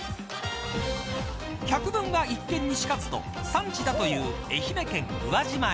百聞は一見にしかずと産地だという愛媛県宇和島へ。